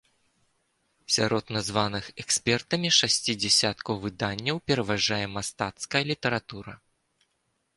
Сярод названых экспертамі шасці дзясяткаў выданняў пераважае мастацкая літаратура.